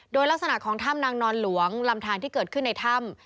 โดยลักษณะของถ้ำนางนอนหลวงลำทานที่เกิดขึ้นในถ้ำ